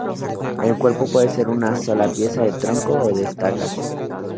El cuerpo puede ser de una sola pieza de tronco o de estacas.